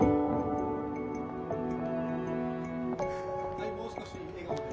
・はいもう少し笑顔で。